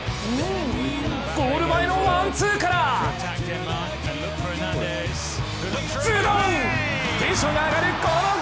ゴール前のワンツーからズドン！